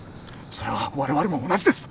それは我々も同じです！